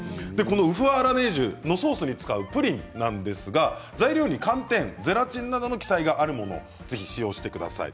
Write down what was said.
ウフアラネージュのソースに使うプリンですが材料に、寒天やゼラチンなどの記載があるものを使用してください。